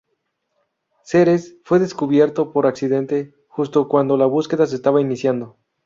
Ceres fue descubierto por accidente, justo cuando la búsqueda se estaba iniciando.